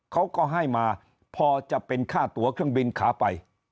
เขาก็ให้มาพอจะเป็นค่าตัวเครื่องบินขาไป